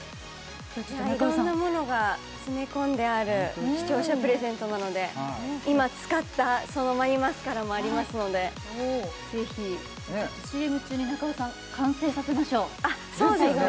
色んなものが詰め込んである視聴者プレゼントなので今使った眉マスカラもありますので是非ＣＭ中に中尾さん完成させましょうですよね